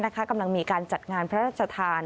กำลังมีการจัดงานพระราชทาน